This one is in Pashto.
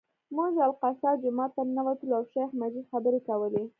موږ الاقصی جومات ته ننوتلو او شیخ مجید خبرې کولې.